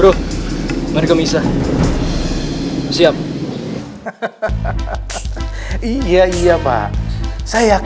tuhan ini tidak dimakan saya